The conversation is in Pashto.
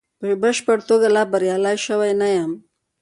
په بشپړه توګه لا بریالی شوی نه یم.